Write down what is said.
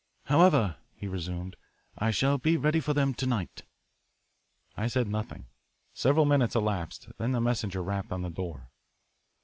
"However," he resumed, "I shall be ready for them to night." I said nothing. Several minutes elapsed. Then the messenger rapped on the door.